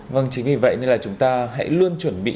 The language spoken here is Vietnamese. vâng chính vì vậy nên là chúng ta hãy luôn chuẩn bị